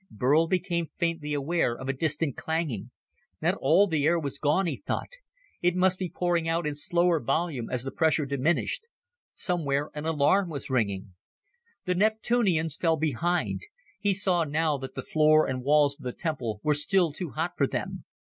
Burl became faintly aware of a distant clanging. Not all the air was gone, he thought; it must be pouring out in slower volume as the pressure diminished. Somewhere an alarm was ringing. The Neptunians fell behind; he saw now that the floor and walls of the temple were still too hot for them.